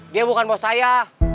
dia bukan bos saya